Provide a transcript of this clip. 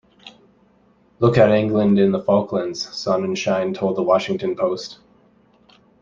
"Look at England in the Falklands", Sonenshein told the "Washington Post".